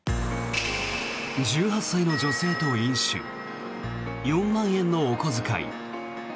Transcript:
１８歳の女性と飲酒４万円のお小遣い。